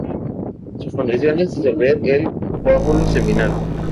Su función es disolver el coágulo seminal.